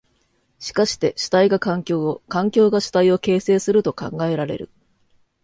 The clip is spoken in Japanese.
しかして主体が環境を、環境が主体を形成すると考えられる。